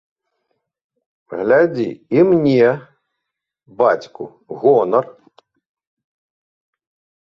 Глядзі, і мне, бацьку, гонар!